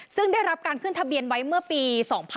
ซึ่งได้รับการขึ้นทะเบียนไว้เมื่อปี๒๕๕๙